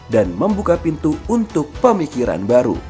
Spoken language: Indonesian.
dan membuka pintu untuk pemikiran baru